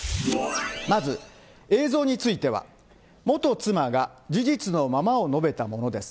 まず、映像については、元妻が事実のままを述べたものです。